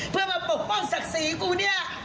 เพื่อมาปกป้องศักดิ์ศรีกูเนี่ย